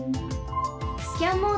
スキャンモード